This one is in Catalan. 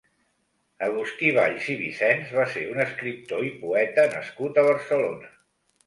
Agustí Valls i Vicens va ser un escriptor i poeta nascut a Barcelona.